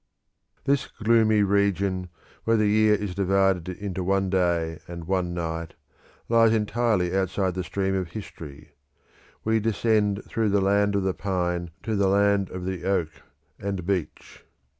This gloomy region, where the year is divided into one day and one night, lies entirely outside the stream of history. We descend through the land of the pine to the land of the oak and beech.